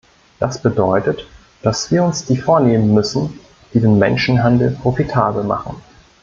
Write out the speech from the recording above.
Das bedeutet, dass wir uns die vornehmen müssen, die den Menschenhandel profitabel machen.